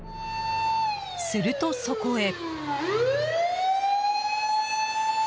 すると、そこへ。